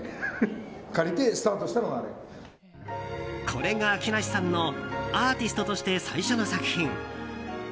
これが木梨さんのアーティストとして最初の作品。